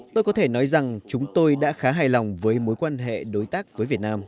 tôi có thể nói rằng chúng tôi đã khá hài lòng với mối quan hệ đối tác với việt nam